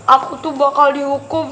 aku tuh bakal dihukum